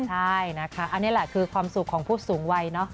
ใช่นะคะอันนี้แหละคือความสุขของผู้สูงวัยเนอะ